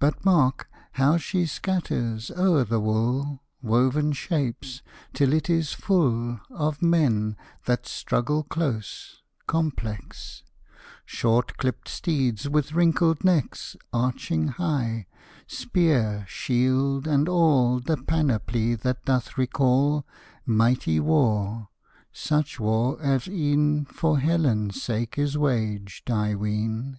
But mark How she scatters o'er the wool Woven shapes, till it is full Of men that struggle close, complex; Short clipp'd steeds with wrinkled necks Arching high; spear, shield, and all The panoply that doth recall Mighty war, such war as e'en For Helen's sake is waged, I ween.